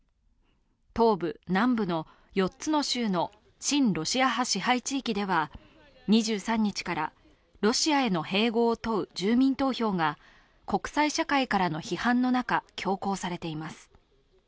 東部・南部の４つの州の親ロシア派支配地域では、２３日からロシアへの併合を問う住民投票が国際社会からの批判の中、強行されています。